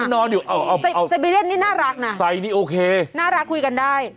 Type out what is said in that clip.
อ๋อสไบเรียนนี่น่ารักนะน่ารักคุยกันได้